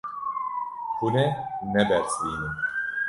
Hûn ê nebersivînin.